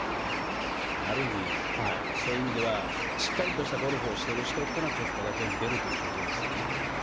ある意味、そういう意味ではしっかりとしたゴルフをしている人が結果が全部出るということですよね。